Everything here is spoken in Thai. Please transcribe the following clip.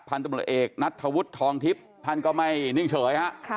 ภัณฑ์ธรรมเอกนัททวชทองทิปภัณฑ์กำมัยนิ่งเฉย